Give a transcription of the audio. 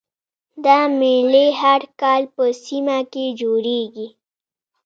دا میلې هر کال په سیمه کې جوړیږي